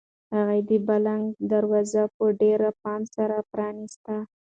هغې د بالکن دروازه په ډېر پام سره پرانیسته.